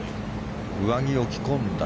上着を着込んだ